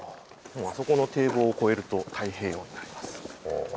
あそこの堤防を越えると太平洋になります。